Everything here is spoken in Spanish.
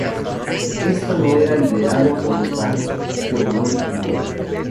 Esto no era lo ideado por Urbano, pero no lo impidió.